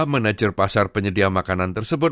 manajer pasar penyedia makanan tersebut